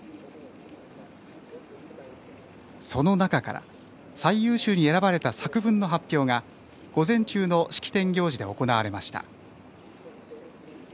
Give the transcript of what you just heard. その中から最優秀に選ばれた作文の発表が午前中の式典行事で行われました。